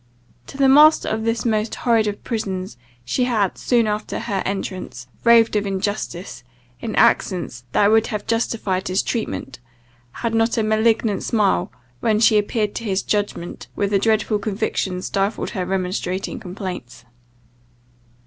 To the master of this most horrid of prisons, she had, soon after her entrance, raved of injustice, in accents that would have justified his treatment, had not a malignant smile, when she appealed to his judgment, with a dreadful conviction stifled her remonstrating complaints.